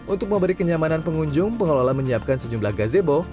untuk memberi kenyamanan pengunjung pengelola menyiapkan sejumlah gazebo